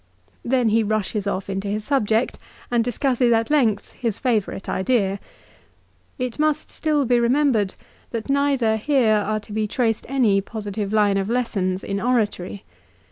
Then he rushes off into his subject, and discusses at length his favourite idea. It must still be remembered that neither here are to be traced any positive line of lessons in oratory.